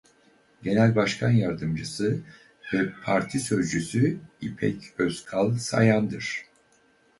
Genel başkan yardımcısı ve parti sözcüsü İpek Özkal Sayan'dır.